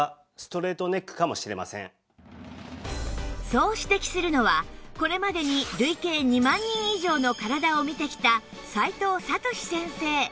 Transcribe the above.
そう指摘するのはこれまでに累計２万人以上の体を診てきた齋藤智司先生